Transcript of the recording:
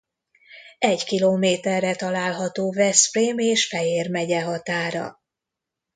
Egy kilométerre található Veszprém és Fejér megye határa.